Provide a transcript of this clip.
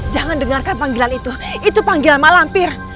jangan dengarkan panggilan itu itu panggilan mak lampir